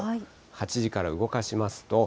８時から動かしますと。